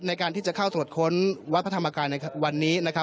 ในการที่จะเข้าตรวจค้นวัดพระธรรมกายในวันนี้นะครับ